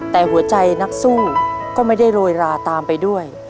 แต่หัวใจนักสู้ก็ไม่ได้โรยราตามไปด้วย